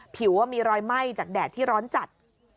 ผิวมีรอยไหม้จากแดดที่ร้อนจัด